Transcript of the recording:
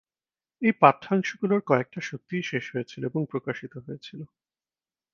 এই পাঠ্যাংশগুলোর কয়েকটা সত্যিই শেষ হয়েছিল এবং প্রকাশিত হয়েছিল।